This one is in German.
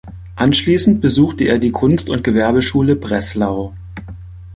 Anschließend besuchte er die Kunst- und Gewerbeschule Breslau.